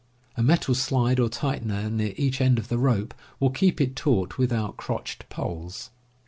A metal slide or tightener near each end of the rope will keep it taut without crotched poles.